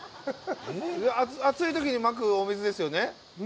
暑いときにまくお水ですよね。